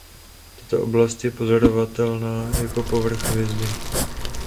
Tato oblast je pozorovatelná jako povrch hvězdy.